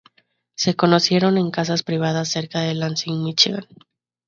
Se conocieron en casas privadas cerca de Lansing, Michigan.